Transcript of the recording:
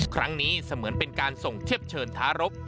ครั้งนี้เสมือนเป็นการส่งเทียบเชิญท้ารบ